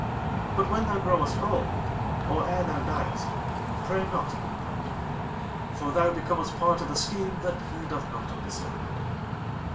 But when thou growest old, or ere thou diest, pray not of Limpang Tung, for thou becomest part of a scheme that he doth not understand.